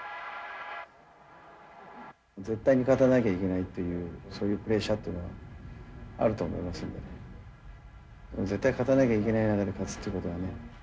絶対に勝たなきゃいけないというそういうプレッシャーというのがあると思いますんで絶対勝たなきゃいけない中で勝つということがね